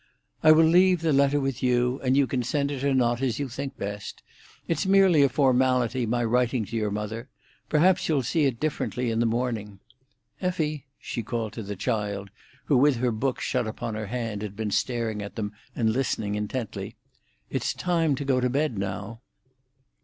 "I will leave the letter with you, and you can send it or not as you think best. It's merely a formality, my writing to your mother. Perhaps you'll see it differently in the morning. Effie!" she called to the child, who with her book shut upon her hand had been staring at them and listening intently. "It's time to go to bed now."